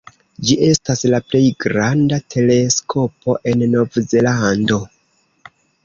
Ĝi estas la plej granda teleskopo en Nov-Zelando.